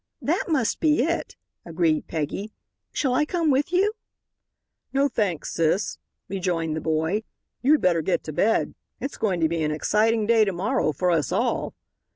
"That must be it," agreed Peggy. "Shall I come with you?" "No, thanks, sis," rejoined the boy; "you'd better get to bed. It's going to be an exciting day to morrow for us all."